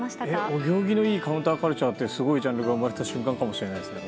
お行儀のいいカウンターカルチャーってすごいジャンルが生まれた瞬間かもしれないですね。